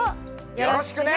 よろしくね！